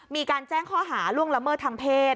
มีการแจ้งข้อหาล่วงละเมิดทางเพศ